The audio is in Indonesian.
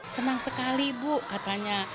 senang sekali bu katanya